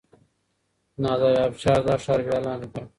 نادر افشار دا ښار بیا لاندې کړ.